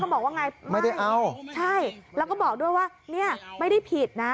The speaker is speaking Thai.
บอกว่าไงไม่ได้เอาใช่แล้วก็บอกด้วยว่าเนี่ยไม่ได้ผิดนะ